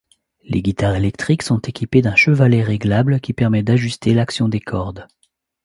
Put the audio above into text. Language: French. Les guitares électriques sont équipées d'un chevalet réglable qui permet d'ajuster l'action des cordes.